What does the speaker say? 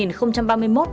đề án đặt ra ba lộ trình